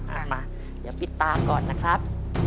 เอามาเดี๋ยวปิดตาก่อนนะครับ